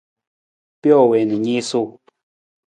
Pijo wii na i niisuu.